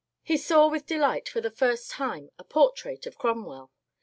He saw with delight for the first time a portrait of Cromwell.